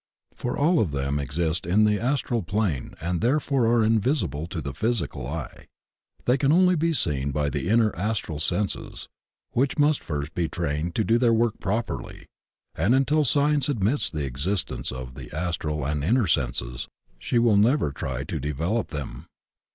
For all of them exist in the astral plane and therefore are invisible to the physical eye. They can only be seen by the inner astral senses, which must first be trained to do their work properly, and until Science admits the existence of the astral and inner senses she will never try to de velop them.